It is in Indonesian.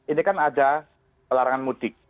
ini kan ada larangan mudik